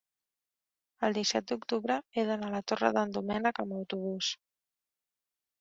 El disset d'octubre he d'anar a la Torre d'en Doménec amb autobús.